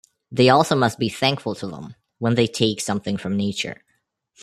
They also must be thankful to them, when they take something from nature.